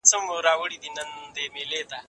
زه به خبري کړي وي!؟